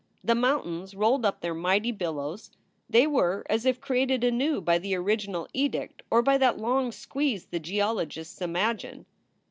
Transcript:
The mountains rolled up their mighty billows. They were as if created anew by the original edict or by that long squeeze the geologists imagine.